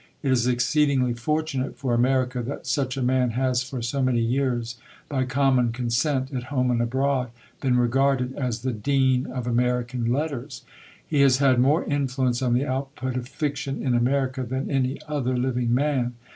It is exceedingly fortunate for America that such a man has for so many years by common consent, at home and abroad, been regarded as the Dean of American Letters. He has had more influence on the output of fiction in America than any other living man.